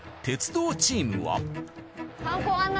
鉄道チームは。